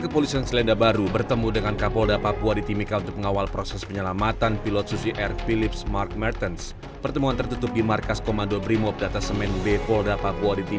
pertemuan di kapolda papua